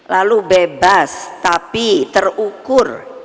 lalu bebas tapi terukur